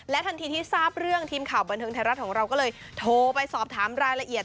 ทันทีที่ทราบเรื่องทีมข่าวบันเทิงไทยรัฐของเราก็เลยโทรไปสอบถามรายละเอียด